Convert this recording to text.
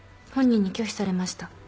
本人に拒否されました。